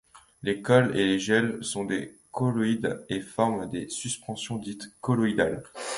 Les colles et les gels sont des colloïdes et forment des suspensions dites colloïdales.